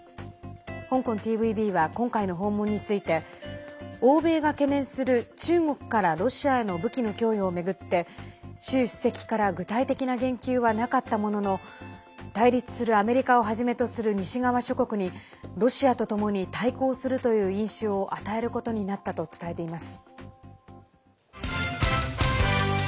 香港ＴＶＢは今回の訪問について欧米が懸念する中国からロシアへの武器の供与を巡って習主席から具体的な言及はなかったものの対立するアメリカをはじめとする西側諸国にロシアとともに対抗するという印象を与えることになったと伝えています。